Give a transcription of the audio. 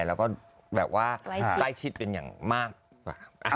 แล้วก็แบบว่าใกล้ชิดเป็นอย่างมากกว่า